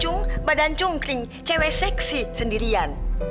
tantebedan jungkring cewek seksi dan sendirian